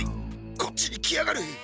こっちに来やがる。